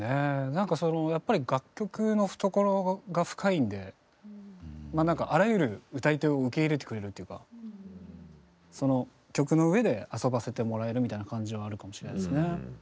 なんかそのやっぱり楽曲の懐が深いんでまあなんかあらゆる歌い手を受け入れてくれるっていうかその曲の上で遊ばせてもらえるみたいな感じはあるかもしれないですね。